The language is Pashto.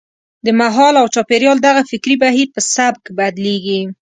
د مهال او چاپېریال دغه فکري بهیر په سبک بدلېږي.